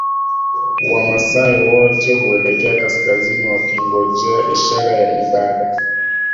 Wamaasai wote huelekea kaskazini wakingojea ishara ya ibada